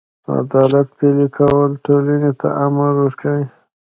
د عدالت پلي کول ټولنې ته امن ورکوي.